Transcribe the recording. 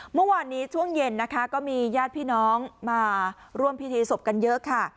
เมื่อวานนี้ช่วงเย็นนะคะก็มีญาติพี่น้องมาร่วมพิธีศพกันเยอะค่ะ